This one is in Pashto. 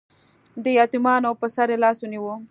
د یتیمانو په سر یې لاس ونیو